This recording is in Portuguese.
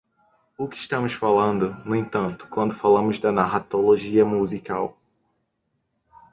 O que estamos falando, no entanto, quando falamos de narratologia musical?